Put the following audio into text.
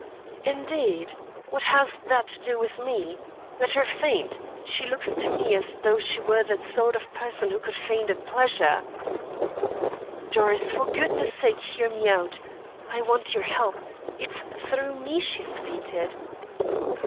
"Indeed? What has that to do with me? Let her faint. She looks to me as though she were the sort of person who could faint at pleasure." "Doris, for goodness' sake hear me out; I want your help. It's through me she's fainted."